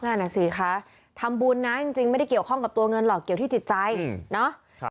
นั่นน่ะสิคะทำบุญนะจริงไม่ได้เกี่ยวข้องกับตัวเงินหรอกเกี่ยวที่จิตใจเนาะ